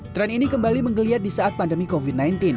tren ini kembali menggeliat di saat pandemi covid sembilan belas